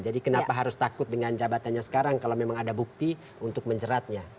jadi kenapa harus takut dengan jabatannya sekarang kalau memang ada bukti untuk menjeratnya